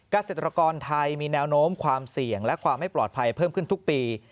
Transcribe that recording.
เกษตรกรไทยมีแนวโน้มความเสี่ยงและความไม่ปลอดภัยเพิ่มขึ้นทุกปี